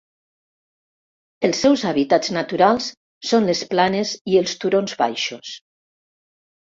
Els seus hàbitats naturals són les planes i els turons baixos.